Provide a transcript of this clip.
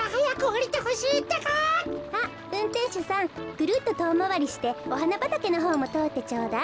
ぐるっととおまわりしておはなばたけのほうもとおってちょうだい。